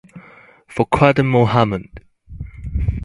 Fakhruddin Mohd.